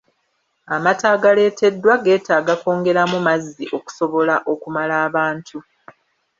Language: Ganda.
Amata agaleeteddwa getaaga kwongeramu mazzi okusobola okumala abantu.